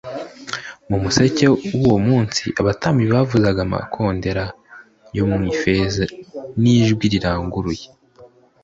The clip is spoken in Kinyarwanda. Mu museke w'uwo munsi abatambyi bavuzaga amakondera yo mu ifeza n'ijwi riranguruye